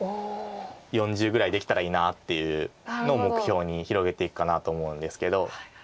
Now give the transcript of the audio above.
４０ぐらいできたらいいなっていうのを目標に広げていくかなと思うんですけど。